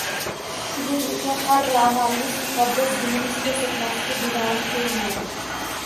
Shuning uchun har bir amalimiz muqaddas Dinimiz ko‘rsatmasiga binoan qilinadi.